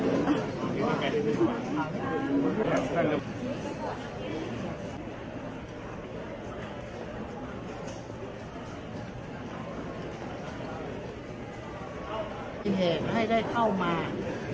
อันนี้คือ๑จานที่คุณคุณค่อยอยู่ด้านข้างข้างนั้น